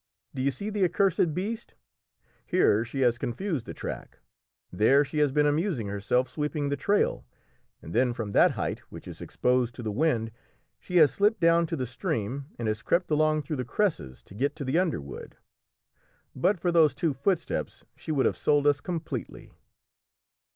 Do you see the accursed beast? Here she has confused the track! There she has been amusing herself sweeping the trail, and then from that height which is exposed to the wind she has slipped down to the stream, and has crept along through the cresses to get to the underwood. But for those two footsteps she would have sold us completely."